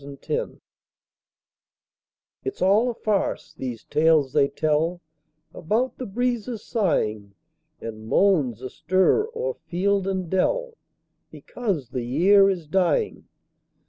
MERRY AUTUMN It's all a farce, these tales they tell About the breezes sighing, And moans astir o'er field and dell, Because the year is dying.